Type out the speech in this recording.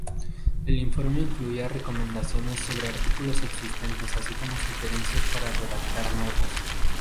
El informe incluía recomendaciones sobre artículos existentes así como sugerencias para redactar nuevos.